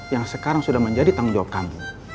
yang sekarang sudah menjadi tengok camp